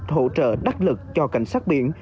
hỗ trợ đắc lực cho cảnh sát biển